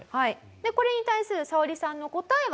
これに対するサオリさんの答えは。